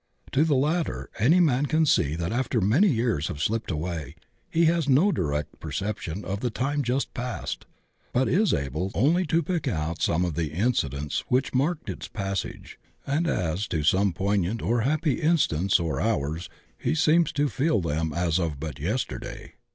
As to the latter any man can see that after many years have slipped away he has no direct perception of the time just passed, but is able only to pick out some of the incidents which marked its passage, and as to some poignant or happy instants or hours he seems to feel them as but of yesterday.